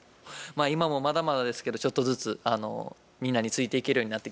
今もまだまだですけどちょっとずつみんなについていけるようになってきました。